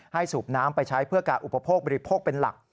สูบน้ำไปใช้เพื่อการอุปโภคบริโภคเป็นหลัก